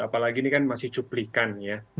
apalagi ini kan masih cuplikan ya